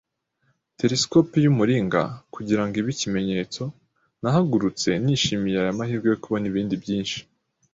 telesikope y'umuringa kugirango ibe ikimenyetso. Nahagurutse, nishimiye aya mahirwe yo kubona ibindi byinshi